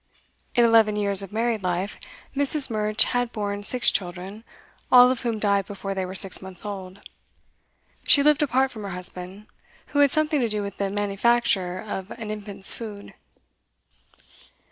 In eleven years of married life, Mrs. Murch had borne six children, all of whom died before they were six months old. She lived apart from her husband, who had something to do with the manufacture of an Infants' Food.